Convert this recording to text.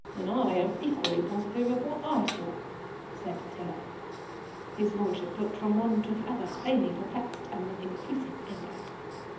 "And I am equally positive of what I saw," said Tiler. His lordship looked from one to the other, plainly perplexed and with increasing anger.